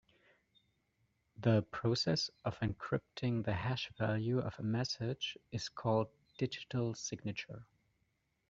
The process of encrypting the hash value of a message is called digital signature.